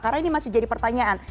karena ini masih jadi pertanyaan